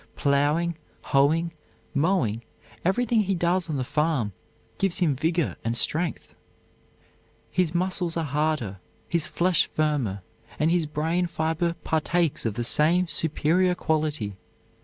Plowing, hoeing, mowing, everything he does on the farm gives him vigor and strength. His muscles are harder, his flesh firmer, and his brain fiber partakes of the same superior quality.